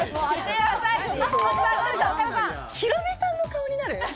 ヒロミさんの顔になる。